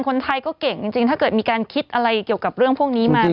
คนไทยก็เก่งจริงถ้าเกิดมีการคิดอะไรเกี่ยวกับเรื่องพวกนี้มา